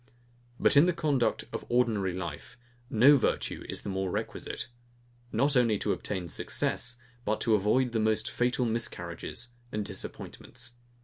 But in the conduct of ordinary life, no virtue is more requisite, not only to obtain success, but to avoid the most fatal miscarriages and disappointments.